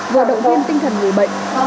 vừa động viên tinh thần người bệnh